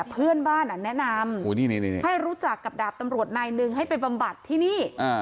เพื่อนบ้านแนะนำให้รู้จักกับดาบตำรวจนายหนึ่งให้ไปบำบัดที่นี่